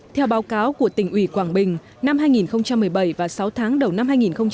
theo báo cáo của tỉnh ủy quảng bình năm hai nghìn một mươi bảy và sáu tháng đầu năm hai nghìn một mươi chín